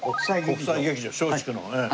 国際劇場松竹の。